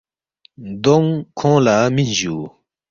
دونگ کھونگ لہ مِنس جوُ